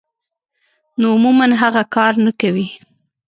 نو عموماً هغه کار نۀ کوي -